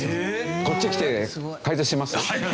こっちへ来て解説します？